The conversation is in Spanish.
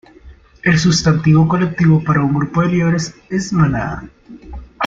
El sustantivo colectivo para un grupo de liebres es "manada".